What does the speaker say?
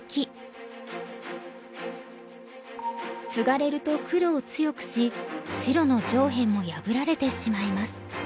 ツガれると黒を強くし白の上辺も破られてしまいます。